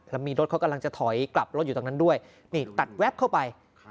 แล้วมีรถเขากำลังจะถอยกลับรถอยู่ตรงนั้นด้วยนี่ตัดแว๊บเข้าไป